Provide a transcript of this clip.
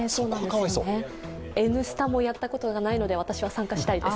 「Ｎスタ」もやったことがないので私は参加したいです。